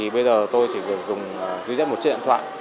bây giờ tôi chỉ được dùng duy nhất một chiếc điện thoại